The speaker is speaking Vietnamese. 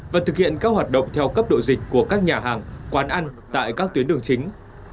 và thực hiện các hoạt động theo cấp độ dịch của các nhà hàng quán ăn tại các tuyến đường chính